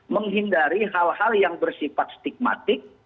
menghindari hal hal yang bersifat stigmatik